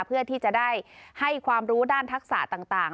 เพื่อที่จะได้ให้ความรู้ด้านทักษะต่าง